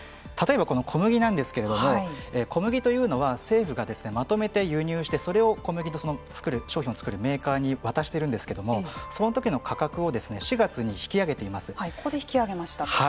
例えばこの小麦なんですけれども小麦というのは政府がまとめて輸入してそれを小麦と商品を作るメーカーに渡してるんですけれどもそのときの価格をここで引き上げました。